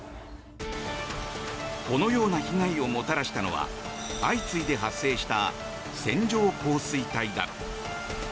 このような被害をもたらしたのは相次いで発生した線状降水帯だ。